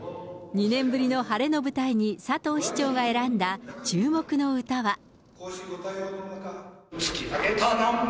２年ぶりの晴れの舞台に佐藤市長が選んだ注目の歌は？